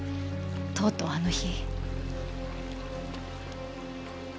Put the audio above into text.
とうとうあの日。